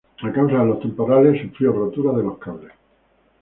A causa de los temporales sufrió rotura de los cables.